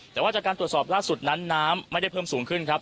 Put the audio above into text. แต่ว่าจากการตรวจสอบล่าสุดนั้นน้ำไม่ได้เพิ่มสูงขึ้นครับ